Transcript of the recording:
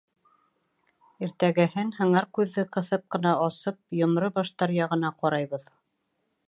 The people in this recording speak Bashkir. Иртәгеһен һыңар күҙҙе ҡыҫып ҡына асып Йомро баштар яғына ҡарайбыҙ.